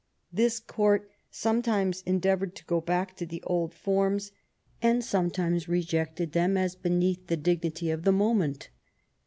This Court sometimes endeavoured to go back to the old forms, and sometimes rejected them as beneath the dignity of the moment.